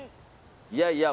いやいや